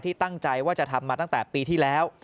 ตั้งใจว่าจะทำมาตั้งแต่ปีที่แล้ว